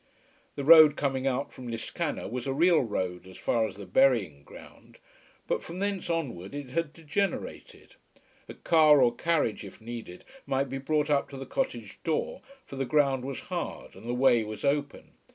The road coming out from Liscannor was a real road as far as the burying ground, but from thence onward it had degenerated. A car, or carriage if needed, might be brought up to the cottage door, for the ground was hard and the way was open.